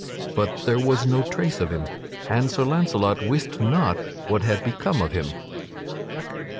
But there was no trace of him, and Sir Launcelot wist not what had become of him.